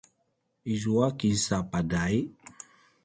izua kinsa paday?